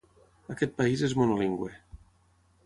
Aquest país és monolingüe.